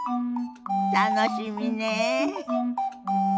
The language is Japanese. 楽しみねえ。